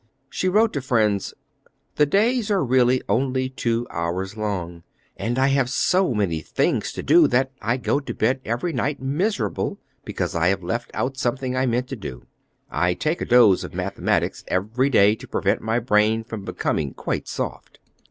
She wrote to friends: "The days are really only two hours long, and I have so many things to do that I go to bed every night miserable because I have left out something I meant to do.... I take a dose of mathematics every day to prevent my brain from becoming quite soft."